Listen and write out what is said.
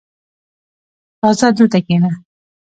• راځه، دلته کښېنه.